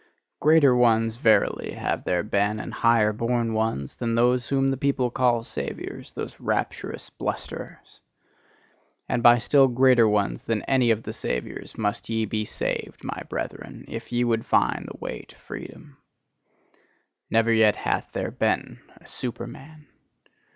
Greater ones, verily, have there been, and higher born ones, than those whom the people call Saviours, those rapturous blusterers! And by still greater ones than any of the Saviours must ye be saved, my brethren, if ye would find the way to freedom! Never yet hath there been a Superman.